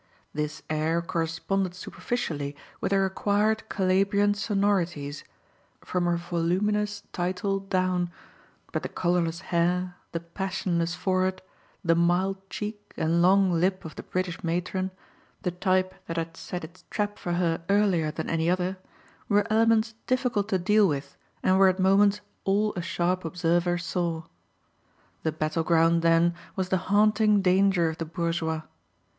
This air corresponded superficially with her acquired Calabrian sonorities, from her voluminous title down, but the colourless hair, the passionless forehead, the mild cheek and long lip of the British matron, the type that had set its trap for her earlier than any other, were elements difficult to deal with and were at moments all a sharp observer saw. The battle ground then was the haunting danger of the bourgeois.